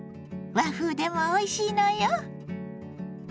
和風でもおいしいのよ。